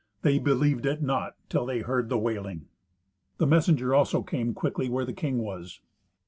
They believed it not, till they heard the wailing. The messenger also came quickly where the king was.